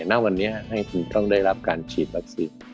ณวันนี้ให้คุณต้องได้รับการฉีดวัคซีน